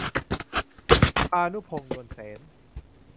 ภานุพงษ์ นวลเสน